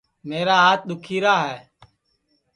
میرا ہات دُؔکھی راہے